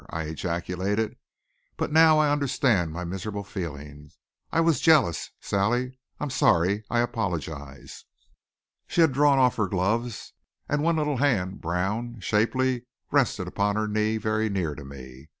I ejaculated. "But now I understand my miserable feeling. I was jealous, Sally, I'm sorry. I apologize." She had drawn off her gloves, and one little hand, brown, shapely, rested upon her knee very near to me.